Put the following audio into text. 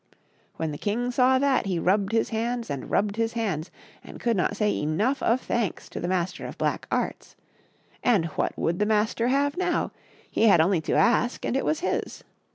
When the king saw that he rubbed his hands and rubbed his hands, and could not say enough of thanks to the Master of Black Arts. And what would the Master have now ? He had only to ask and it was his.